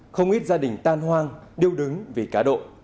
không ít gia đình tan hoang điêu đứng vì cá độ